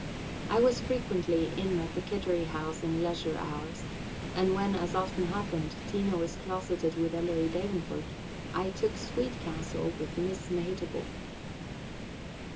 I was frequently in at the Kittery house in leisure hours, and when, as often happened, Tina was closeted with Ellery Davenport, I took sweet counsel with Miss Mehitable.